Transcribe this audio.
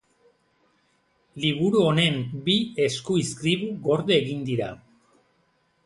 Liburu honen bi eskuizkribu gorde egin dira.